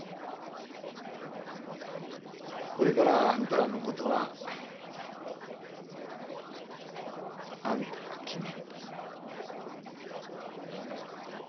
これからあんたらのことはあんたが決め。